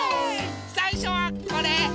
さいしょはこれ。